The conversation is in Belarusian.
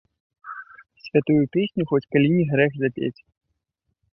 Святую песню хоць калі не грэх запець.